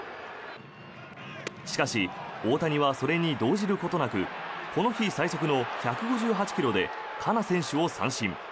しかし、大谷はそれに動じることなくこの日最速の１５８ｋｍでカナ選手を三振。